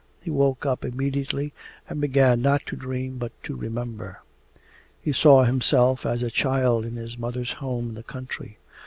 He woke up immediately and began not to dream but to remember. He saw himself as a child in his mother's home in the country.